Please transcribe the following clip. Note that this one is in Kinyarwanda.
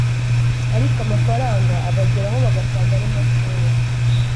ariko amafaranga abageraho bagasanga ari makeya